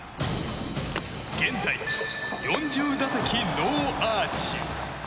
現在、４０打席ノーアーチ。